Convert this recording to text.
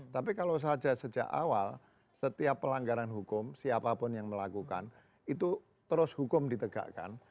tapi kalau saja sejak awal setiap pelanggaran hukum siapapun yang melakukan itu terus hukum ditegakkan